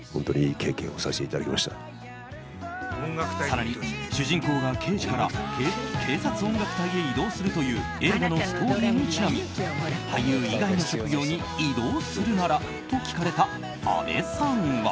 更に、主人公が刑事から警察音楽隊へ異動するという映画のストーリーにちなみ俳優以外の職業に異動するなら？と聞かれた阿部さんは。